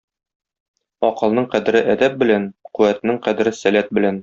Акылның кадере әдәп белән, куәтнең кадере сәләт белән.